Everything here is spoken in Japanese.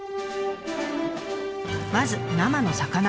まず生の魚。